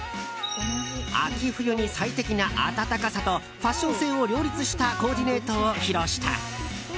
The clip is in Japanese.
秋冬に最適な暖かさとファッション性を両立したコーディネートを披露した。